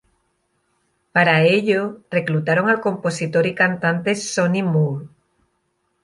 Para ello, reclutaron al compositor y cantante Sonny More.